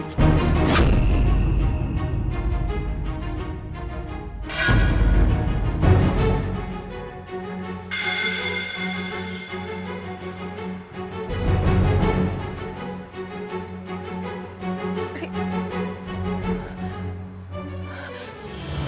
tewas dalam kejadian itu